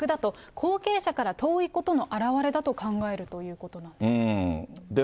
後継者から遠いことの表れだと考えるということなんです。